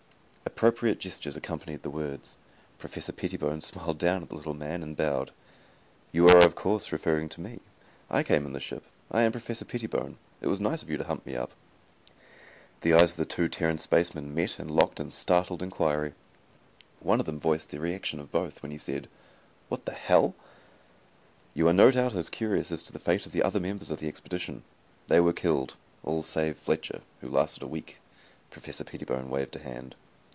Appropriate gestures accompanied the words. Professor Pettibone smiled down at the little men and bowed. "You are of course referring to me. I came in the ship. I am Professor Pettibone. It was nice of you to hunt me up." The eyes of the two Terran spacemen met and locked in startled inquiry. One of them voiced the reaction of both when he said, "What the hell " "You no doubt are curious as to the fate of the other members of the expedition. They were killed, all save Fletcher, who lasted a week." Professor Pettibone waved a hand.